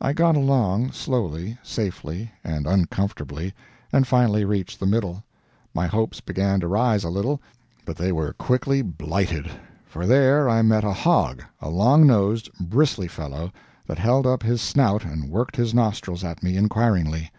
I got along, slowly, safely, and uncomfortably, and finally reached the middle. My hopes began to rise a little, but they were quickly blighted; for there I met a hog a long nosed, bristly fellow, that held up his snout and worked his nostrils at me inquiringly.